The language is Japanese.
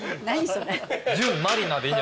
それ。